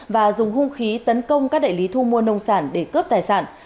và dùng hung khí tấn công các đại lý thu mua nông sản để cướp tài sản